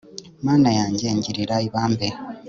mana yanjye, ngirira ibambe